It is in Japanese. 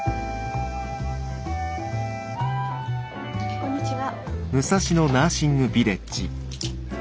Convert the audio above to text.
こんにちは。